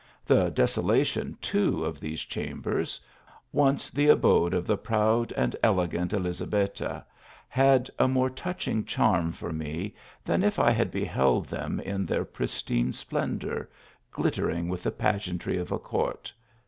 The desolation, too, of these chambers, once the abode of the prouB and elegant Eiizabetta, had a more touching charm for me than if i had beheld them in their pristine splendour, glittering with the pageant ry of a court.